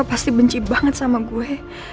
pasti benci banget sama gue